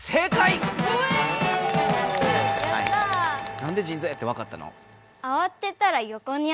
なんでじん臓やってわかったの？